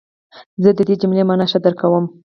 زه د دې جملې مانا ښه درک کوم.